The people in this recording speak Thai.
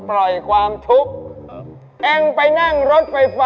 และเงินเงินมันมีแค่นี้มัน